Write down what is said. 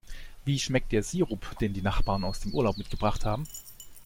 Wie schmeckt der Sirup, den die Nachbarn aus dem Urlaub mitgebracht haben?